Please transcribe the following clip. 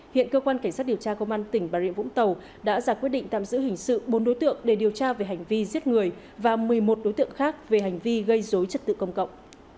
hiện cơ quan cảnh sát điều tra công an tỉnh bà rịa vũng tàu đã giả quyết định tạm giữ hình sự bốn đối tượng để điều tra về hành vi giết người và một mươi một đối tượng khác về hành vi gây dối trật tự công cộng